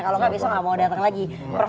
kalau gak besok gak mau datang lagi